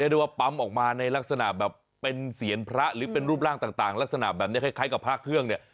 ได้ว่าปั๊มออกมาในลักษณะแบบเป็นเสียงพระหรือเป็นรูปร่างต่างลักษณะแบบนี้คล้ายกับพระเครื่องเนี่ย